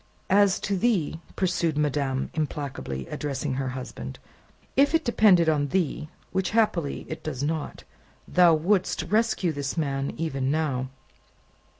"As to thee," pursued madame, implacably, addressing her husband, "if it depended on thee which, happily, it does not thou wouldst rescue this man even now."